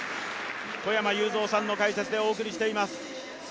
小山裕三さんの解説でお送りしています。